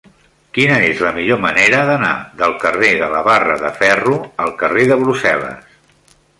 Quina és la millor manera d'anar del carrer de la Barra de Ferro al carrer de Brussel·les?